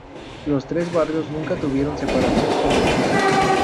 Los tres barrios nunca tuvieron separación concejil.